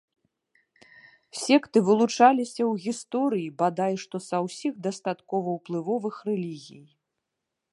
Секты вылучаліся ў гісторыі бадай што са ўсіх дастаткова ўплывовых рэлігій.